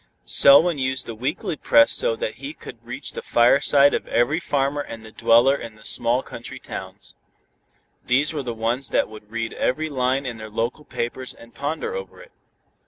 Selwyn used the weekly press so that he could reach the fireside of every farmer and the dweller in the small country towns. These were the ones that would read every line in their local papers and ponder over it.